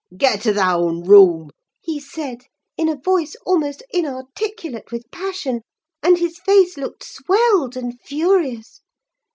"'Get to thy own room!' he said, in a voice almost inarticulate with passion; and his face looked swelled and furious.